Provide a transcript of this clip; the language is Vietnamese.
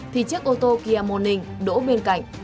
thì chiếc ô tô kia morning đỗ bên cạnh